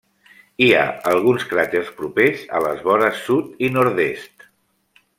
Hi ha alguns cràters propers a les vores sud i nord-est.